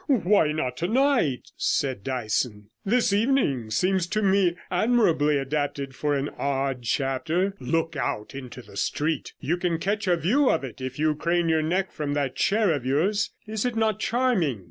'Why not tonight?' said Dyson. 'This evening seems to me admirably adapted for an odd chapter. Look out into the street; you can catch a view of it if you crane your neck from that chair of yours. Is it not charming?